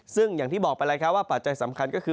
ซึ่งอย่างที่บอกไปแล้วครับว่าปัจจัยสำคัญก็คือ